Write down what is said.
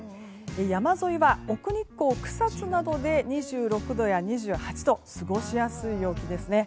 山沿いは奥日光、草津などで２６度や２８度過ごしやすい陽気ですね。